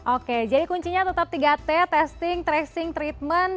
oke jadi kuncinya tetap tiga t testing tracing treatment